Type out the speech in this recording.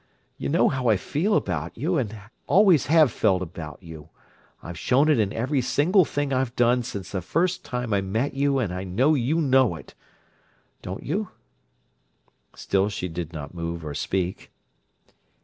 You know how I feel about you, and always have felt about you. I've shown it in every single thing I've done since the first time I met you, and I know you know it. Don't you?" Still she did not move or speak.